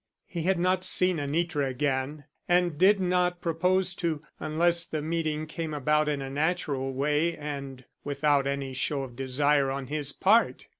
He had not seen Anitra again and did not propose to, unless the meeting came about in a natural way and without any show of desire on his part.